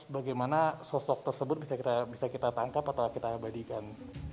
bagaimana sosok tersebut bisa kita tangkap atau kita abadikan